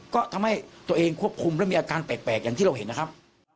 ก็ทำให้ตัวเองควบคุมและมีอาการแปลกอย่างที่เราเห็นนะครับ